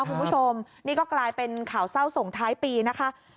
คุณผู้ชมนี่ก็กลายเป็นข่าวเศร้าส่งท้ายปีนะคะ